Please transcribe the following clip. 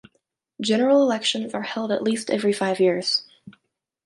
General elections are held at least every five years.